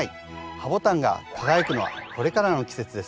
ハボタンが輝くのはこれからの季節です。